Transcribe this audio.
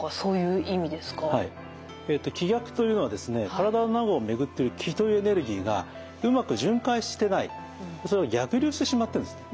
体の中を巡ってる気というエネルギーがうまく巡回してない逆流してしまってるんですね。